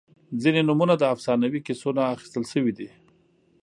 • ځینې نومونه د افسانوي کیسو نه اخیستل شوي دي.